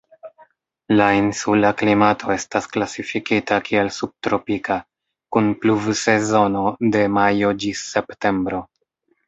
La insula klimato estas klasifikita kiel subtropika, kun pluvsezono de majo ĝis septembro.